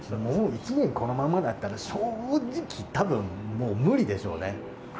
もう１年、このままだったら、正直、たぶん、もう無理でしょうね。